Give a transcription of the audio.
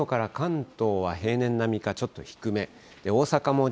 北海道から関東は平年並みか、ちょっと低め。